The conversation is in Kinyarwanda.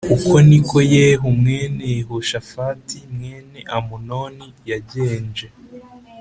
Uko ni ko Yehu mwene Yehoshafati mwene amunoni yagenje